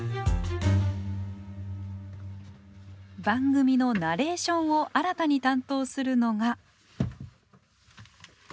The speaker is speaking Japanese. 番組のナレーションを新たに担当するのが。